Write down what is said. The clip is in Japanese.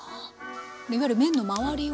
いわゆる麺の周りを。